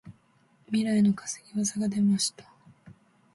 本来の担ぎ技が出ました。